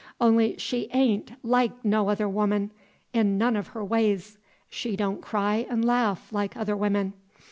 On'y she a'n't like no other woman in none of her ways. She don't cry 'n' laugh like other women.